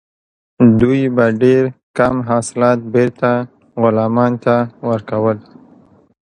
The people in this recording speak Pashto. دوی به ډیر کم حاصلات بیرته غلامانو ته ورکول.